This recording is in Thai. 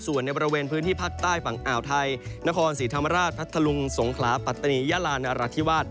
ส่วนในบริเวณพื้นที่ภาคใต้ฝั่งอ่าวไทยนครศรีธรรมราชพัทธลุงสงขลาปัตตานียาลานราธิวาส